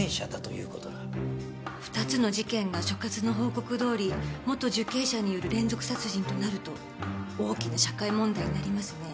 ２つの事件が所轄の報告どおり元受刑者による連続殺人となると大きな社会問題になりますね。